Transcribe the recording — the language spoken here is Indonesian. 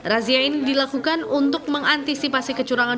razia ini dilakukan untuk mengantisipasi kecurangan